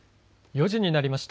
４時になりました。